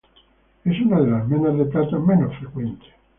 Es una de las menas de plata menos frecuentes.